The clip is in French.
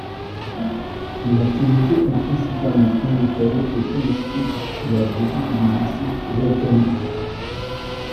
L'activité est principalement agricole et touristique pour la visite du massif volcanique.